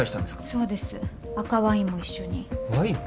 そうです赤ワインも一緒にワインも？